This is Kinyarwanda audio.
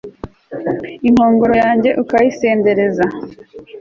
inkongoro yanjye ukayisendereza